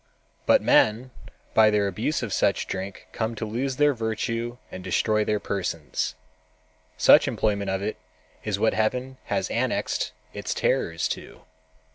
But men by their abuse of such drink come to lose their virtue and destroy their persons—such employment of it is what Heaven has annexed its terrors to.